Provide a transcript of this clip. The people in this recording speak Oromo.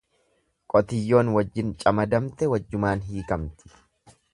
Qotiyyoon wajjin caamadamte wajjumaan hiikamti.